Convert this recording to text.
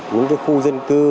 những khu dân cư